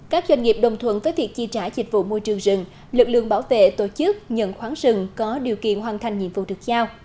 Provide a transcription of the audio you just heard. các doanh nghiệp đồng thuận với việc chi trả dịch vụ môi trường rừng lực lượng bảo vệ tổ chức nhận khoáng rừng có điều kiện hoàn thành nhiệm vụ được giao